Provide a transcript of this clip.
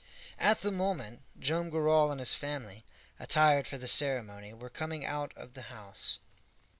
At the moment Joam Garral and his family, attired for the ceremony, were coming out of the house.